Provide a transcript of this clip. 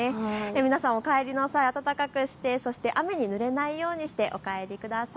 皆さんお帰りの際暖かくしてそして雨にぬれないようにしてお帰りください。